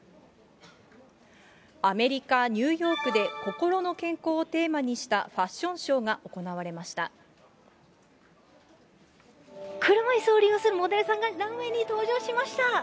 アメリカ・ニューヨークで、心の健康をテーマにしたファッションショーが行われました。